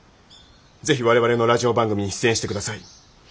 是非我々のラジオ番組に出演して下さい。